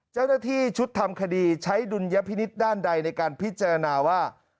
เจ้าหน้าที่ชุดทำคดีใช้ดุลยพินิษฐ์ด้านใดในการพิจารณาว่า